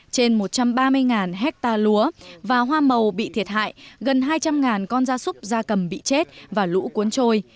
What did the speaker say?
trên một trăm ba mươi hectare lúa và hoa màu bị thiệt hại gần hai trăm linh con da súc da cầm bị chết và lũ cuốn trôi